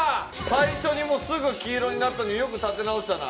最初にもうすぐ黄色になったのによく立て直したな。